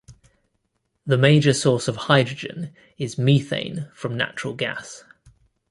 The major source of hydrogen is methane from natural gas.